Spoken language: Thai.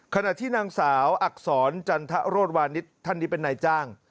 ขณะที่นางสาวอักษรจันทรโรธวานิสท่านนี้เป็นนายจ้าง